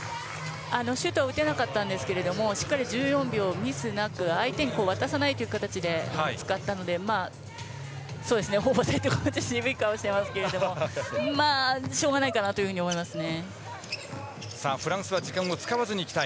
シュート打てなかったんですけどしっかり１４秒ミスなく相手に渡さないという形で使ったのでホーバスヘッドコーチは渋い顔していますけれどもまあ、しょうがないかなっていうふうに思いますね。